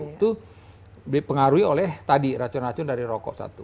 itu dipengaruhi oleh tadi racun racun dari rokok satu